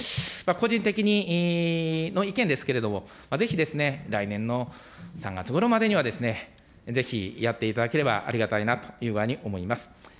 個人的の意見ですけれども、ぜひ、来年の３月ごろまでには、ぜひやっていただければありがたいなという具合に思います。